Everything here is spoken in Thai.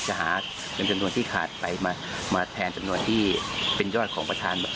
จะหาเงินจำนวนที่ขาดไปมาแทนจำนวนที่เป็นยอดของประธาน